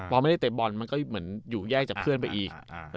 พอไม่ได้เตะบอลมันก็เหมือนอยู่แยกจากเพื่อนไปอีก